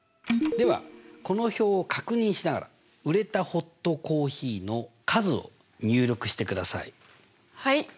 ではこの表を確認しながら「売れたホットコーヒーの数」を入力してください。